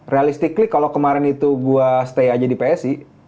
realistikly kalau kemarin itu gue stay aja di psi